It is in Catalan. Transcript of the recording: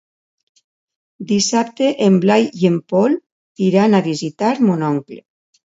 Dissabte en Blai i en Pol iran a visitar mon oncle.